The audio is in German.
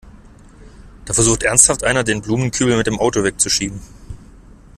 Da versucht ernsthaft einer, den Blumenkübel mit dem Auto wegzuschieben!